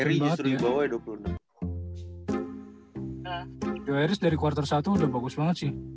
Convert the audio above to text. tiga puluh poinnya total tiga puluh poin poin airi airi dari kuartal satu udah bagus banget sih